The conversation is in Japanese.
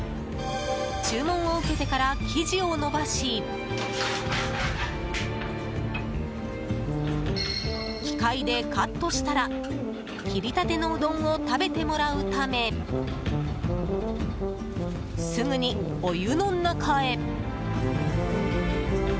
注文を受けてから生地を伸ばし機械でカットしたら切りたてのうどんを食べてもらうためすぐにお湯の中へ。